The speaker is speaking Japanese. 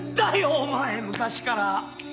お前昔から！